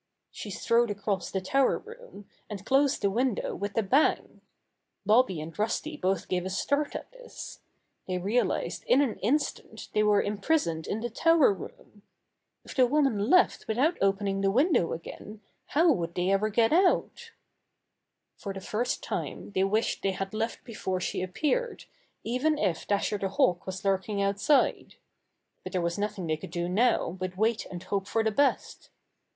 She strode across the tower room, and closed the window with a bang. Bobby and Rusty both gave a start at this. They realized in an instant they were imprisoned in the tower room. If the woman left without opening the window again how would they ever get out? Imprisoned in the Tower Room 21 For the first time they wished they had left before she appeared, even if Dasher the Hawk was lurking outside. But there was nothing they could do now but wait and hope for the best.